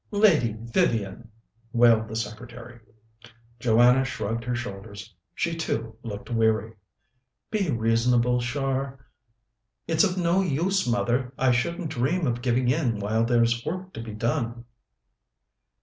"Lady Vivian!" wailed the secretary. Joanna shrugged her shoulders. She, too, looked weary. "Be reasonable, Char." "It's of no use, mother. I shouldn't dream of giving in while there's work to be done."